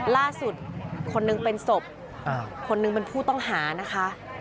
คนหนึ่งเป็นศพคนหนึ่งเป็นผู้ต้องหานะคะ